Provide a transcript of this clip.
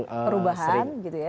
perubahan gitu ya